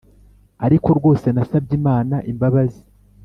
ariko rwose nasabye imana imbabazi